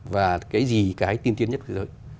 và cái gì cái tiên tiên nhất thế giới